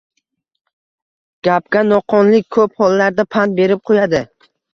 Gapga no‘noqlik ko‘p hollarda pand berib qo‘yadi.